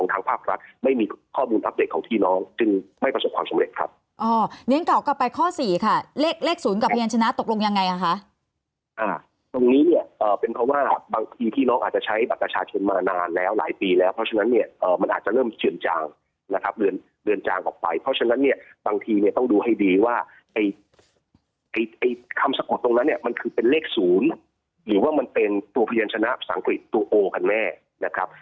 ตรงนี้เนี่ยเอ่อเป็นเพราะว่าบางทีพี่น้องอาจจะใช้บัตรประชาชนมานานแล้วหลายปีแล้วเพราะฉะนั้นเนี่ยเอ่อมันอาจจะเริ่มเจือนจางนะครับเดือนเดือนจางออกไปเพราะฉะนั้นเนี่ยบางทีเนี่ยต้องดูให้ดีว่าไอ้ไอ้ไอ้คำสะกดตรงนั้นเนี่ยมันคือเป็นเลขศูนย์หรือว่ามันเป็นตัวพยานชนะสังกฤษตัวโอคั